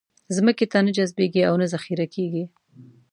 ځمکې ته نه جذبېږي او نه ذخېره کېږي.